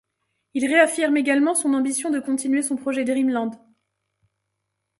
Il réaffirme également son ambition de continuer son projet Dreamland.